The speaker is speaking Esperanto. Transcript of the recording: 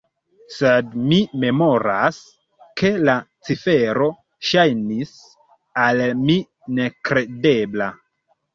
Sed mi memoras, ke la cifero ŝajnis al mi nekredebla.